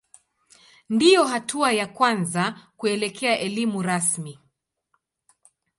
Ndiyo hatua ya kwanza kuelekea elimu rasmi.